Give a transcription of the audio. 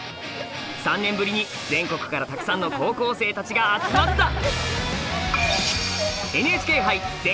３年ぶりに全国からたくさんの高校生たちが集まった！